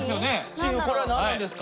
チーフこれは何なんですか？